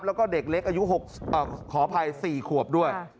แล้วก็เด็กเล็กอายุขออภัย๔ขวบด้วย